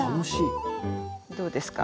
どうですか？